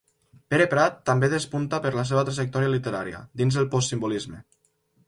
Pere Prat també despunta per la seva trajectòria literària, dins el postsimbolisme.